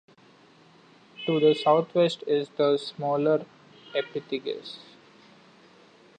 To the southwest is the smaller Alpetragius.